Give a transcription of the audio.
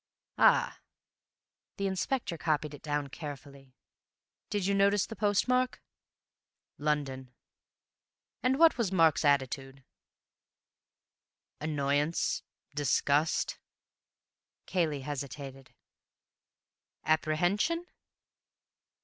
'" "Ah!" The inspector copied it down carefully. "Did you notice the postmark?" "London." "And what was Mark's attitude?" "Annoyance, disgust—" Cayley hesitated. "Apprehension?"